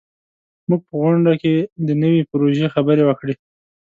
موږ په غونډه کې د نوي پروژې خبرې وکړې.